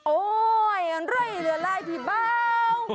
โอ้ยอันเร่ยเหลือลายผีเบ้า